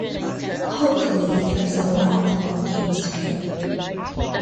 Hopefully there's a lot more games to go.